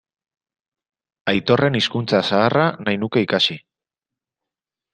Aitorren hizkuntza zaharra nahi nuke ikasi.